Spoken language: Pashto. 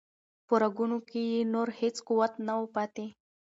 په رګونو کې یې نور هیڅ قوت نه و پاتې.